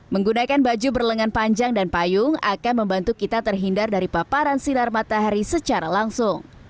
menggunakan baju berlengan panjang dan payung akan membantu kita terhindar dari paparan sinar matahari secara langsung